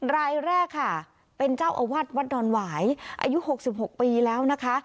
รายแรกค่ะเป็นเจ้าอาวาสวัดดอนหวายอายุ๖๖ปีแล้วนะคะ